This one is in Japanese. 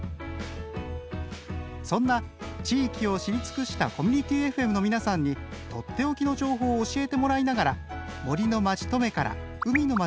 そんな地域を知り尽くしたコミュニティＦＭの皆さんに取って置きの情報を教えてもらいながら森の町登米から海の町